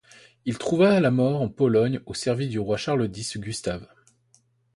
Il trouve la mort en Pologne au service du roi Charles X Gustave.